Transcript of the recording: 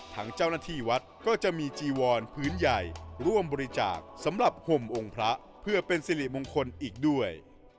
ทางเจ้าหน้าที่วัดก็จะมีจีวอนพื้นใหญ่ร่วมบริจาคสำหรับห่มองค์พระเพื่อเป็นสิริมงคลอีกด้วย